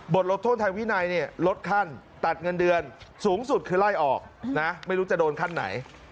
ลดโทษทางวินัยลดขั้นตัดเงินเดือนสูงสุดคือไล่ออกนะไม่รู้จะโดนขั้นไหน